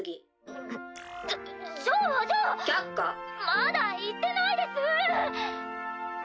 まだ言ってないです！